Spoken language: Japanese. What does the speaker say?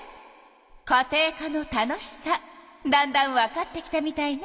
家庭科の楽しさだんだんわかってきたみたいね。